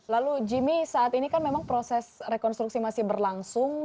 lalu jimmy saat ini kan memang proses rekonstruksi masih berlangsung